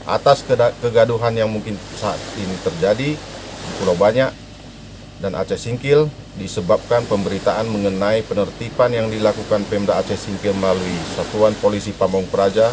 atas kegaduhan yang mungkin saat ini terjadi di pulau banyak dan aceh singkil disebabkan pemberitaan mengenai penertiban yang dilakukan pemda aceh singkil melalui satuan polisi pamung praja